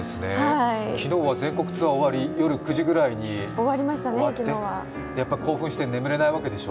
昨日は全国ツアー夜９時ぐらいに終わって興奮して眠れないわけでしょ？